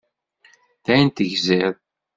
Dayen tegziḍ?